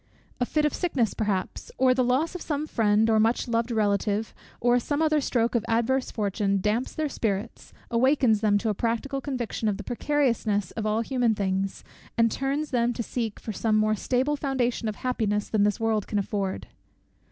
A fit of sickness, perhaps, or the loss of some friend or much loved relative, or some other stroke of adverse fortune, damps their spirits, awakens them to a practical conviction of the precariousness of all human things, and turns them to seek for some more stable foundation of happiness than this world can afford.